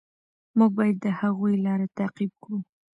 موږ باید د هغوی لاره تعقیب کړو.